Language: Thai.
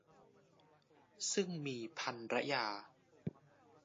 ซึ่งมีภรรยา